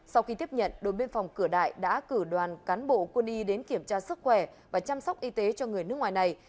sau khi tiếp nhận đồn biên phòng cửa đại đã cử đoàn cán bộ quân y đến kiểm tra sức khỏe và chăm sóc y tế cho người nước ngoài này